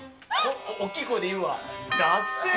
大きい声で言うわ。